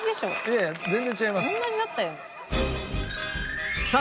いやいや全然違います。